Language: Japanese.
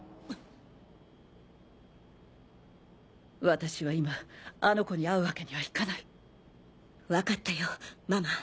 私は今あの子に会うわけにはいかない分かったよママ